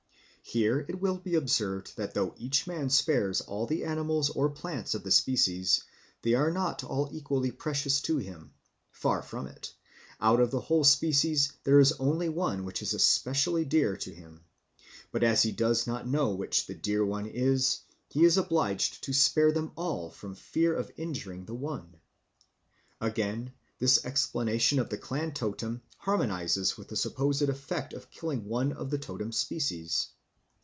Here it will be observed that though each man spares all the animals or plants of the species, they are not all equally precious to him; far from it, out of the whole species there is only one which is specially dear to him; but as he does not know which the dear one is, he is obliged to spare them all from fear of injuring the one. Again, this explanation of the clan totem harmonises with the supposed effect of killing one of the totem species.